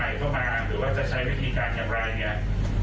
เมื่อเราดำเนินการทุกอย่างเต็มที่แล้วเนี่ยสิ่งที่เราจะร้องขอหรือว่าจะจัดหาใหม่เข้ามา